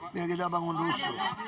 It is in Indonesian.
biar kita bangun rusuh